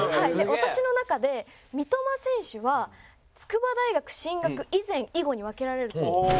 私の中で三笘選手は筑波大学進学以前以後に分けられると。